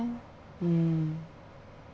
うん。